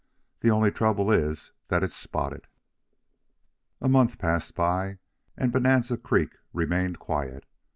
The only trouble is that it's spotted." A month passed by, and Bonanza Creek remained quiet.